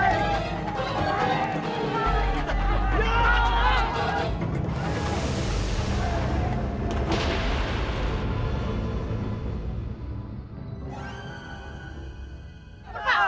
malah malah malah